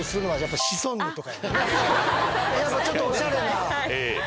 やっぱちょっとおしゃれな。